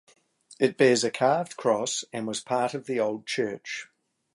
It bears a carved cross and was part of the old church.